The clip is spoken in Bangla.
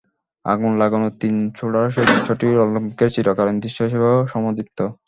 আগুন লাগানো তির ছোড়ার সেই দৃশ্যটিও অলিম্পিকের চিরকালীন দৃশ্য হিসেবে সমাদৃত।